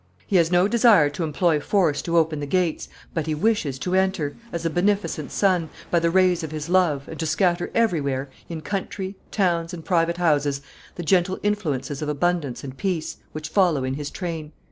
He has no desire to employ force to open the gates, but he wishes to enter, as a beneficent sun, by the rays of his love, and to scatter everywhere, in country, towns, and private houses, the gentle influences of abundance and peace, which follow in his train."